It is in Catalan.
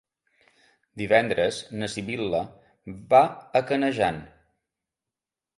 Divendres na Sibil·la va a Canejan.